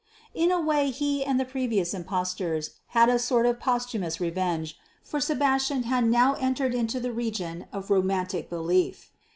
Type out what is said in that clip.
But in a way he and the previous impostors had a sort of posthumous revenge, for Sebastian had now entered into the region of Romantic Belief.